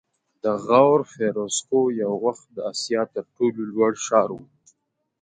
د غور فیروزکوه یو وخت د اسیا تر ټولو لوړ ښار و